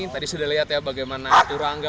tadi sudah lihat ya bagaimana turangga